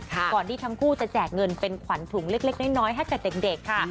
ก่อนที่ทั้งคู่จะแจกเงินเป็นขวัญถุงเล็กน้อยให้กับเด็กค่ะ